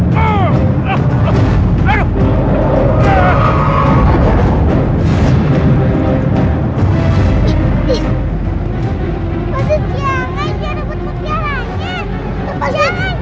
pasut jangan tidak ada butuh perjalanan